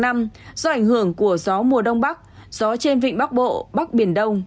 do ảnh hưởng của gió mùa đông bắc gió trên vịnh bắc bộ bắc biển đông